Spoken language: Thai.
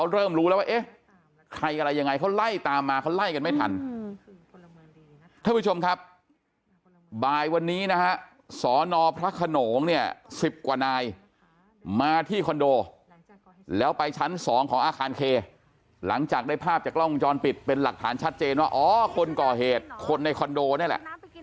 ได้ภาพจากกล้องกุมจรปิดเป็นหลักฐานชัดเจนว่าอ๋อคนก่อเหตุคนในคอนโดนั่นแหละ